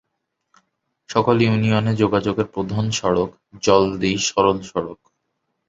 সরল ইউনিয়নে যোগাযোগের প্রধান সড়ক জলদী-সরল সড়ক।